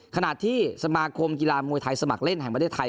ขณะที่สมาคมกีฬามวยไทยสมัครเล่นแห่งประเทศไทย